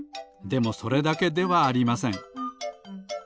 でもそれだけではありません。